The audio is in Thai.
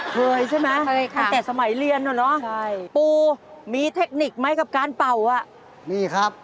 เคยใช่ไหมตั้งแต่สมัยเรียนเหรอเนอะปูมีเทคนิคไหมกับการเป่านี่ครับมีครับ